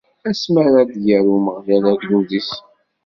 Asmi ara d-yerr Umeɣlal agdud-is.